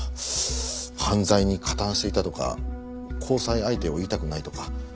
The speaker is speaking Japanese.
犯罪に加担していたとか交際相手を言いたくないとか。